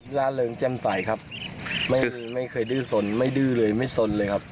ล่าเริงแจ่มใสครับไม่เคยไม่เคยดื้อสนไม่ดื้อเลยไม่สนเลยครับ